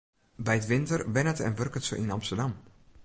By 't winter wennet en wurket se yn Amsterdam.